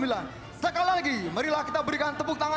dan kemampuan terbuka